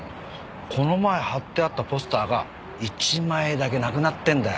この前貼ってあったポスターが１枚だけなくなってるんだよ。